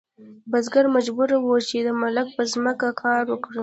بزګر مجبور و چې د مالک په ځمکه کار وکړي.